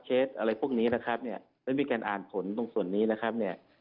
เช็ดอะไรพวกนี้นะครับไม่มีการอ่านผลตรงส่วนนี้นะครับ